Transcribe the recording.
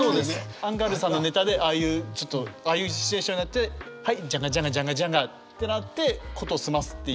アンガールズさんのネタでああいうちょっとああいうシチュエーションはいジャンガジャンガジャンガジャンガってなって事を済ますっていう。